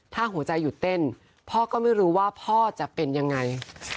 ถ้าหัวใจหยุดเต้นพ่อก็ไม่รู้ว่าพ่อจะเป็นยังไง